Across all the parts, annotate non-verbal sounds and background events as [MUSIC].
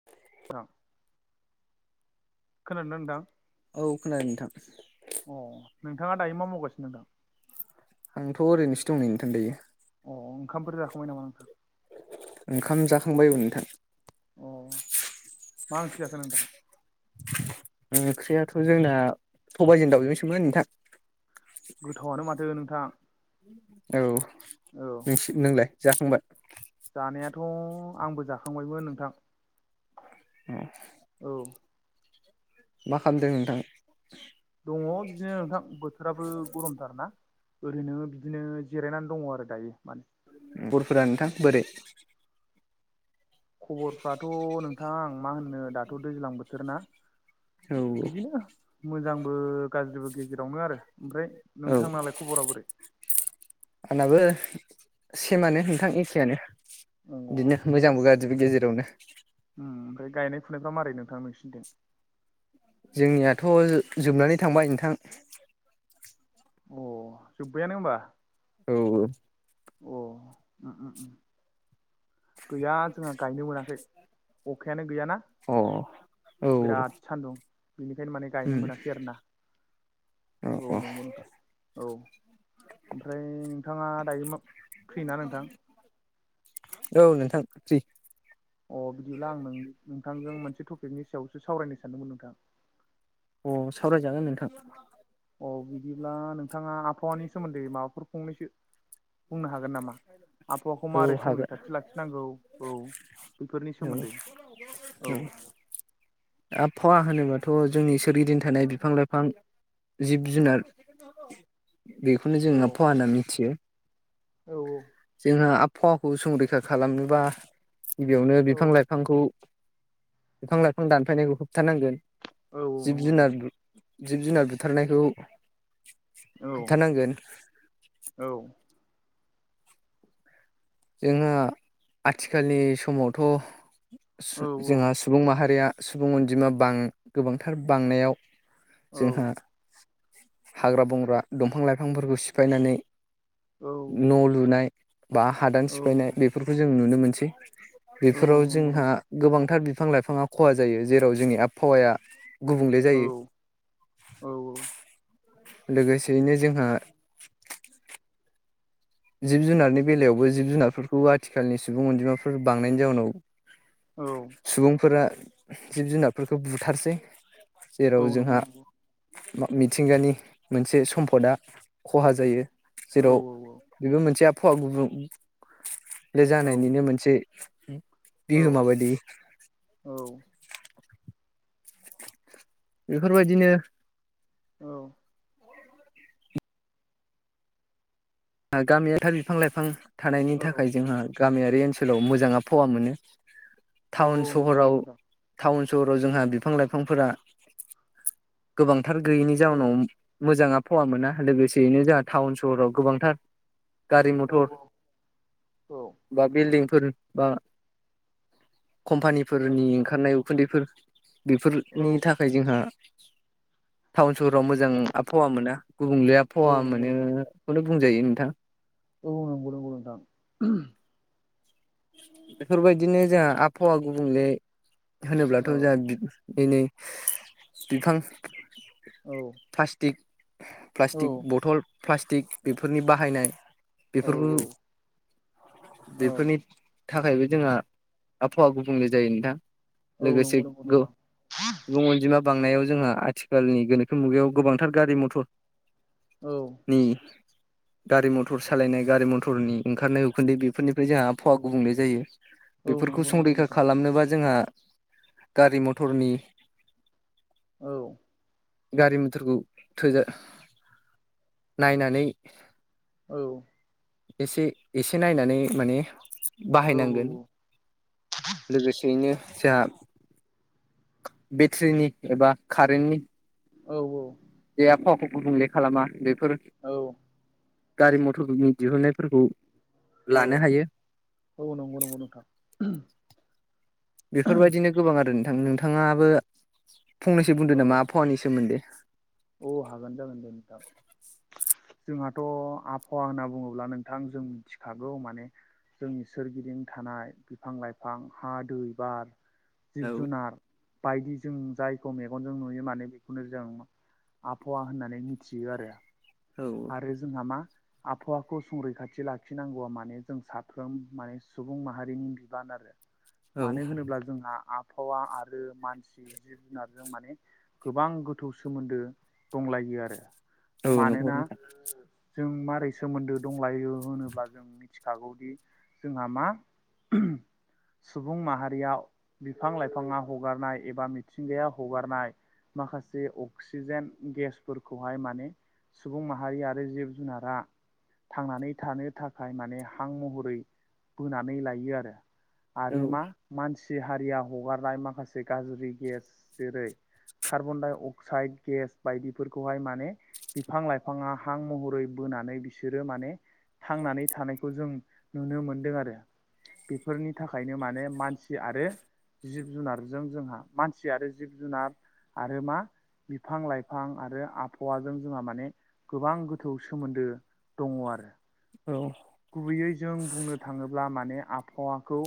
[INAUDIBLE] [UNINTELLIGIBLE] नोंथां औ खोनादों नोंथां अह नोंथाङा दायो मा मावगासिनो नोंथां आंथ' ओरैनोसो दं नै नोंथा दायो। अ ओंखामफोर जाखांबाय नामा नोंथां ओंखाम जाखांबायबो नोंथां। अ। मा ओंख्रि जाखो नोंथां ओंख्रियाथ' जोंना सबायजों दावजों सोमोन नोंथां। गोथावयानो माथो नोंथां। औ औ नोंसि नोंलाय जाखांबाय? जानायाथ' आंबो जाखांबायमोन नोंथां। औ औ मा खालामदों नोंथां? दङ बिदिनो नोंथां बोथोराबो गरमथार ना। ओरैनो बिदिनो जिरायनानै दङ आरो दायो माने। खबरफोरा नोंथां बोरै? खबरफ्राथ' नोंथां आं मा होननो दाथ' दैज्लां बोथोर ना। औ बिदिनो मोजांबो गाज्रिबो गेजेरावनो आरो ओमफ्राय औ नोंथांनालाय खबरा बोरै? आंनाबो सेमानो नोंथां एखेआनो? अ बिदिनो मोजांबो गाज्रिबो गेजेरावनो। उम ओमफ्राय गायनाय फुनायफ्रा मारै नोंथां नोंसिनिथिं? जोंनियाथ' जोबनानै थांबाय नोंथां। अह जोब्बायानो होमबा? औ औ अह उम उम उम। गैया जोंहा गायनो मोनाखै अखायानो गैयाना। अ औ औ बिनिखायनो माने गायनो उम मोनाखै आरोना। औ नंगौ नोंथां औ ओमफ्राय नोंथाङा दायो मा फ्रि ना नोंथां औ नोंथां फ्रि। अ बिदिब्ला आं नों-नोंथांजों मोनसे टपिकनि सायावसो सावरायनो सानदोंमोन नोंथां। अ सावरायजागोन नोंथां। औ बिदिब्ला नोंथाङा आबहावानि सोमोन्दै माबाफोर फंनैसो बुंनो हागोन नामा? आबहावाखौ औ माबारै हागोन संरैखाथि लाखिनांगौ औ बेफोरनि औ सोमोन्दै? औ आबहावा होनोबाथ' जोंनि सोरगिदिं थानाय बिफां लाइफां जिब जुनार बेखौनो जोङो आबहावा होनना मिथियो। औ औ जोंहा आबहावाखौ संरैखा खालामनोबा गिबियावनो औ बिफां लाइ बिफांखौ बिफां लाइफां दानफायनायखौ होबथानांगोन औ जिब नंगौ नंगौ जुनार जिब जुनार बुथारनायखौ औ होबथानांगोन। औ जोंहा आथिखालनि समावथ' औ सु-जोंहा बुं माहारिया सुबुं अनजिमा बां गोबांथार बांनायाव औ जोंहा हाग्रा बंग्रा दंफां लाइफांफोरखौ सिफायनानै न' लुनाय बा हादान औ सिफायनाय बेफोरखौ जों नुनो मोनसै। औ बेफोराव नंगौ जोंहा नंगौ गोबांथार बिफां लाइफाङा खहा जायो जेराव जोंनि आबहावाया गुबुंले जायो। औ औ लोगोसेयैनो जोंहा जिब जुनारनि बेलायावबो जिब जुनारफोरखौ आथिखालनि सुबुं अनजिमाफोर बांनायनि जाउनाव औ सुबुंफोरा जिब जुनारफोरखौ बुथारसै औ जेराव नंगौ जोंहा नंगौ मिथिंगानि मोनसे सम्पदा खहा जायो औ जेराव बेबो मोनसे आबहावा गुबुं ले औ जानायनिनो मोनसे बिहोमा बायदि। औ बेफोरबायदिनो औ गामिया थार बिफां लाइफां थानायनि थाखाय जोंहा गामियारि ओनसोलाव मोजाङा आफावा मोनो। औ टाउन नंगौ नंगौ सहराव नोंथां टाउन सहराव जोंहा बिफां लाइफांफोरा गोबांथार गैयैनि औ जाउनाव मोजां आफावा मोना लोगोसेयैनो जोंहा टाउन सहराव गोबांथार गारि औ मटर औ बा बिल्डिंफोर बा कम्पानिफोरनि ओंखारनाय उखुन्दैफोर बिफोरनि थाख खाय जोंहा टाउन सहराव मोजां आबहावा मोना गुबुंले आ औ फावा नंगौ नोंथां मोनोखौनो बुंजायो नोंथां। औ नोंगौ नोंगौ नोंथां। बेफोरबायदिनो जोंहा आबहावा गुबुंले औ होनोब्लाथ' जोंहा बि एनै बिफां औ प्लास्टिक औ प्लास्टिक औ बथल प्लासटिक बेफोरनि बाहायनाय। बेफोरबो बेफोरनि ‌ थाखायबो जोंहा आबहावा गुबुंले जायो नोंथां लोगोसे गो सुबुं अनजिमा बांनायाव जोंहा आथिखालनि गोनोखो मुगायाव गोबांथार गारि मथर औ नि गारि मथर सालायनाय गारि मथरनि ओंखारनाय उखुदै बेफोरनिफ्राय जोंहा आबहावा गुबुंले जायो बेफोरखौ संरैखा खालामनोबा जोंहा गारि मथरनि औ गारि मथरखौ थोजा नायनानै औ एसे एसे नायनानै माने बाहायनांगोन। लोगोसेयैनो जोंहा बेट्रिनि एबा कारेन्टनि औ औ जे आबहावाखौ गुबुंले खालामा बेफोर औ गारि मथरनि दिहुनन्नायफोरखौ औ औ नंगौ नंगौ नोंथां। बेफोरबायदिनो गोबां आरो नोंथां नोंथाङाबो फंनैसो बुंदो नामा आबहावानि सोमोन्दै। अ हागोन जागोन दे नोंथां। जोंहाथ' आबहावा होनना बुङोब्ला नोंथां जों मिथिखागौ माने जोंनि सोरगिदिं थानाय बिफां लाइफां हा दै बार जिब औ जुनार बायदि जों जायखौ मेगनजों नुयो माने बेखौनो जों आबहावा होननानै मिथियो आरो। औ आरो जोंहा मा आबहावाखौ संरैखाथि लाखिनांगौआ माने जों साफ्रोम माने सुबुं माहारिनि बिबान आरो। औ मानो होनोब्ला जोंहा आबहावा आरो मानसि जिब जुनार जों माने गोबां गोथौ सोमोन्दो दंलायो आरो। औ नंगौ मानोना नोथां। जों मारै सोमोन्दो दंलायो होनोब्ला जों मिथिखागौदि जोंहा मा सुबुं माहारियाव बिफां लाइफाङा हगारनाय। एबा मिथिंगाया हगारनाय। माखासे अक्सिजेन गेसफोरखौहाय। माने सुबुं माह माहारि आरो जिब जुनारा। थांनानै थानो थाखाय माने हां महरै बोनानै लायो आरो। आरो औ मा मानसि हारिया हगारनाय। माखासे गाज्रि गेस जेरै कार्बन डाइ अक्साइद गेस बायदिफोरखौहाय माने बिफां- लाइफां ङा हां महरै बोनानै बिसोरो माने। थांनानै थानायखौ जों नुनो मोनदों आरो। बेफोरनि थाखायनो माने मानसि आरो जिब जुनारजों जोंहा मानसि आरो जिब जुनार। आरो मा बिफां-लाइफां आरो आबहावाजों जोंहा माने। गोबां गोथौ सोमोन्दो दङ आरो। औ। गुबैयै जों बुंनो थाङोब्ला माने आबहावाखौ।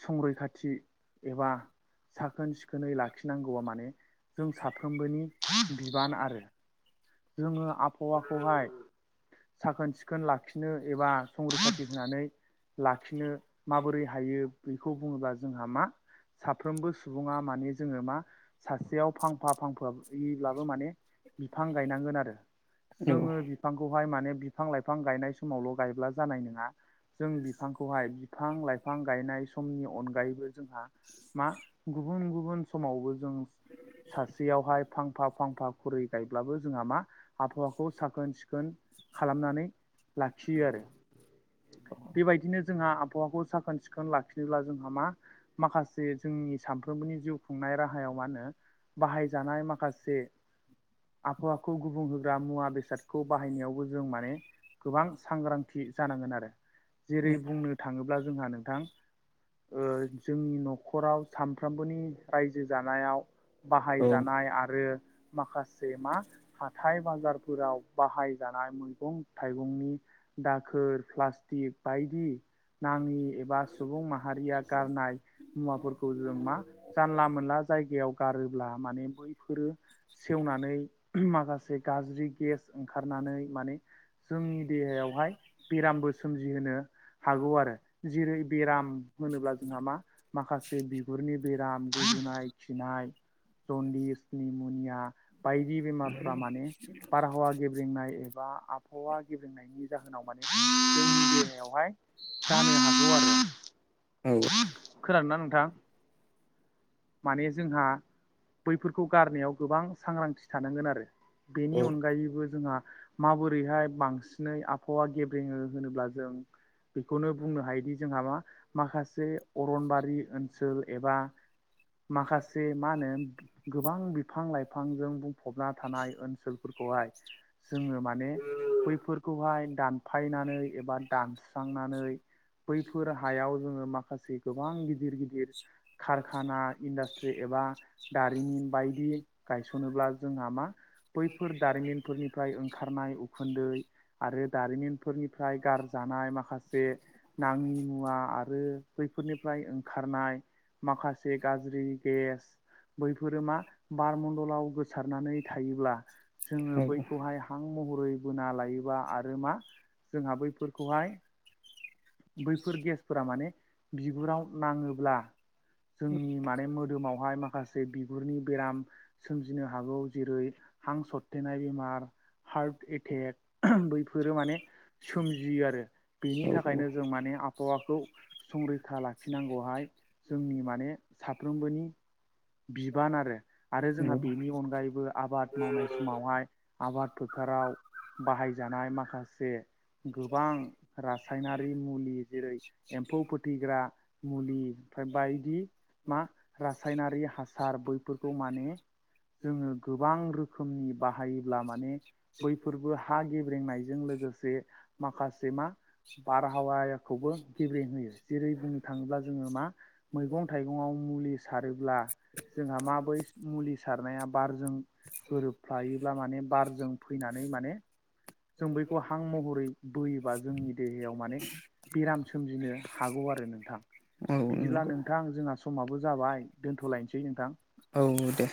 संरैखाथि एबा। साखोन सिखोनै लाखिनांगौआ माने जों साफ्रोमबोनि बिबान आरो। जोङो आबहावाखौहाय। साखोन सिखोन लाखिनो एबा संरैखाथि होनानै। लाखिनो माबोरै हायो। बेखौ बुङोब्ला जोंहा मा। साफ्रोमबो सुबुङा माने जोङो मा। सासेयाव फांफा फांफायैब्लाबो माने बिफां। गायनांगोन आरो। औ जोंओ बि फांखौहाय माने बिफां लाइफां गायनाय समावल' गायब्ला जानाय नङा। जों बिफांखौहाय बिफां-लाइफां गायनाय समनि अनगायैबो जोंहा। मा गुबुन गुबुन समावबो जों सासेयावहाय। फांफा-फांफा खुरै ब्लाबो जोंहा मा आबहावाखौ साखोन सिखोन खालामनानै लाखियो आरो। बेबायदिनो जोंहा आबहावाखौ साखोन सिखोन लाखिनोब्ला जोंहा मा? माखासे जोंनि सामफ्रोमबोनि जिउ खुंनाय राहायाव मा होनो बाहायजानाय माखासे। आबहावाखौ गुबुं होग्रा मुवा बेसादखौ बाहायनायावबो जों माने। गोबां सांग्रांथि जानांगोन आरो जेरै औ बुंनो थाङोब्ला जोंहा नोंथां। ओ जोंनि न'खराव सामफ्रामबोनि राय्जो जानायाव। बाहायजानाय आरो माखासे मा हाथाइ बाजारफोराव बाहायजानाय। मैगं-थाइगंनि दाखोर प्लास्टिक बायदि। नाङि एबा सुबुं माहारिया गारनाय। मुवाफोरखौ जों मा जानला मोनला जायगायाव गारोब्ला माने बैफोरो। सेवनानै माखासे गाज्रि गेस ओंखारनानै माने। जोंनि देहायावहाय बेरामबो सोमजिहोनो हागौ आरो जेरै- बेराम होनोब्ला जोंहा मा माखासे बिगुरनि बेराम गुजुनाय खिनाय। जन्दिस निम'निया। बायदि बेमारफ्रा माने बारहावा गेब्रेंनाय। एबा आब औवा गेबेंनायनि जाहोनाव माने जोंनि देहायावहाय जानो हागौ। आरो औ। खोनादोंना नोंथां। माने जोंहा बैफोरखौ गारनायाव गोबां सांग्रांथि थानांगोन आरो। बेनि अनगायैबो जोंहा माबोरैहाय बांसिनै आबहावा गेब्रेङो होनोब्ला जों बेखौनो बुंनो हायोदि जोंहा मा माखा से अरनबारि ओनसोल एबा माखासे मा होनो गोबां बिफां लाइफांजों बुंफबना थानाय ओनसोलफोरखौहाय जोङो माने बैफोरखौहाय दानफायनानै एबा दानस्रांनानै बैफोर हायाव जोङो माखासे गोबां गिदिर गिदिर कारखाना [UNINTELLIGIBLE] एबा दारिमिन बायदि गायसनोब्ला जोंहा मा बैफोर दारिमिनफोरनिफ्राय ओंखारनाय उखुन्दै आरो दारिमिनफोरनिफ्राय गारजानाय माखासे नाङि मुवा आरो बैफोरनिफ्राय ओंखारनाय माखासे गाज्रि गेस बैफोरो मा बारमडलाव गोसारनानै थायोब्ला जोङो बैखौहाय हां महरै बोना लायोबा आरो मा जोंहा बैफोरखौहाय बैफोर गेसफोरा माने बिगुराव नाङोब्ला जोंनि मा बे मोदोमावहाय माखासे बिगुरनि बेराम सोमजिनो हागौ जेरै हां सरथेनाय बेमार। हार्ट एटेक बैफोरो माने सोमजियो आरो बेनि बेनि थाखायनो जों माने आबहावाखौ संरैखा लाखिनांगौहाय जोंनि माने साफ्रोमबोनि बिबान आरो आरो जोंहा बेनि अनगायैबो आबाद मावनाय समावहाय आबाद फोथाराव बाहायजानाय माखासे गोबां रासायनारि मुलि जेरै एम्फौ फोथैग्रा मुलि ओमफ्राय बायदि मा रासायनारि हासार बैफोरखौ माने जोङो गोबां रोखोमनि बाहायोब्ला माने बैफोरबो हा गेब्रेंनायजों लोगोसे माखासे मा बारहावाखौबो गेब्रेंहोयो जेरै बुंनो थाङोब्ला जोङो मा मैगं थाइगङाव मुलि सारोब्ला जोंहा मा बै मुलि सारनाया बारजों गोरोबफ्लायोब्ला माने बारजों फैनानै माने जों बैखौ हां महरै बोयोबा जोंनि देहायाव माने बेराम सोमजिनो हागौ आरो नोंथां। औ औ बिदिब्ला नंगौ नोंथां जोंहा समाबो जाबाय दोन्थ'लायनसै। दे नोंथां। औ दे।